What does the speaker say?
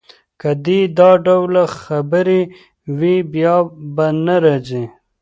که دي دا ډول خبرې وې، بیا به نه راځې.